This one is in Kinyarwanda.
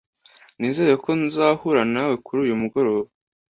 Nizere ko nzahura nawe kuri uyu mugoroba.